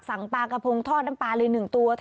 สั่งปากกระโพงทอดน้ำปลานินตัว